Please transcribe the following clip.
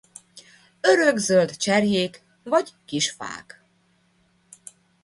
Örökzöld cserjék vagy kis fák.